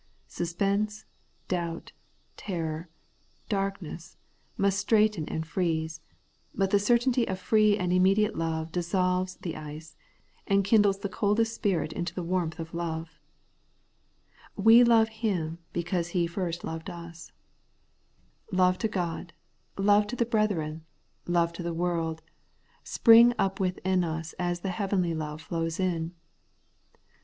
Suspense, doubt, terror, darkness, must straiten and freeze ; but the certainty of free and immediate love dissolves the ice, and kindles the coldest spirit into the warmth of love. ' We love Him because He first loved us,' The Holy Life of the Justified. 197 Love to God, love to the brethren, love to the world, spring up within ns as the heavenly love flows in.